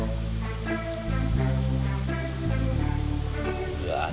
di acc belum ya